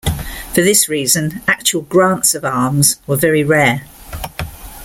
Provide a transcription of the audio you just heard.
For this reason, actual grants of arms were very rare.